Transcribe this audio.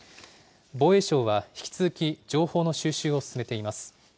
防衛省は引き続き、情報の収集を進めています。